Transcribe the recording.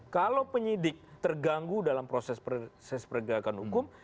kalau penyidik terganggu dalam proses pergerakan hukum